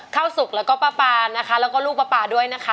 ข้าวสุกแล้วก็ป้าปานะคะแล้วก็ลูกป๊าด้วยนะคะ